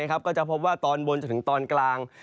ก็จะพบว่าตอนบนจนถึงตอนกลาง